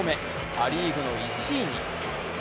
ア・リーグの１位に。